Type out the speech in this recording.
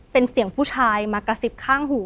เป็นเสียงผู้ชายมากระซิบข้างหู